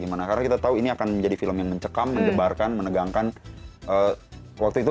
dimana karena kita tahu ini akan menjadi film yang mencekam mendebarkan menegangkan waktu itu